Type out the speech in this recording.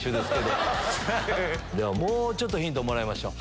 もうちょっとヒントもらいましょう。